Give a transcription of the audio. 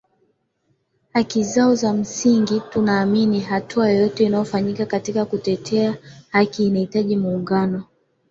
haki zao za msingi tunaamini hatua yoyote inayofanyika katika kutetea haki inahitaji muungano